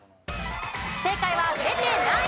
正解は出てない。